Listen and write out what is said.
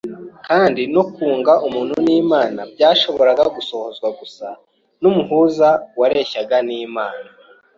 kandi no kunga umuntu n’Imana byashoboraga gusohozwa gusa n’Umuhuza wareshyaga n’Imana,